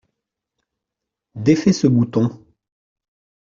Défais ce bouton.